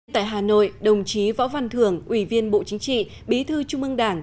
tại hà nội đồng chí võ văn thưởng ủy viên bộ chính trị bí thư trung ương đảng